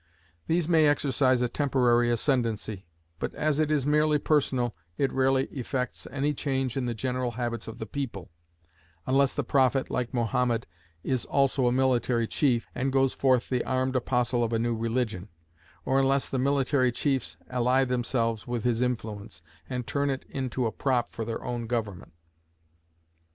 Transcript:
These may exercise a temporary ascendancy, but as it is merely personal, it rarely effects any change in the general habits of the people, unless the prophet, like Mohammed, is also a military chief, and goes forth the armed apostle of a new religion; or unless the military chiefs ally themselves with his influence, and turn it into a prop for their own government.